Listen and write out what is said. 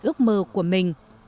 ước mơ của mình